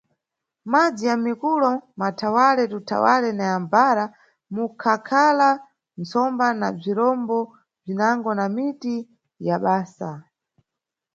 Madzi ya mʼmikulo, m, mathawale, mtumthawale na ya mbhara, mumbakhala ntsomba na bzirombo bzinango na miti ya basa.